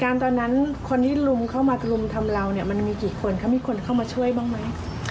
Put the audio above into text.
ตอนนั้นคนที่ลุมเข้ามารุมทำเราเนี่ยมันมีกี่คนเขามีคนเข้ามาช่วยบ้างไหม